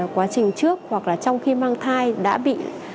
quá trình trước hoặc là trong khi mang thai đã bị